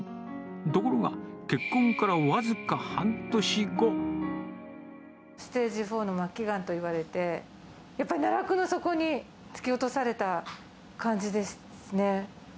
ところが、ステージ４の末期がんと言われて、やっぱり奈落の底に突き落とされた感じですね。